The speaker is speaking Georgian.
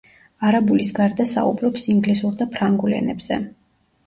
არაბულის გარდა საუბრობს ინგლისურ და ფრანგულ ენებზე.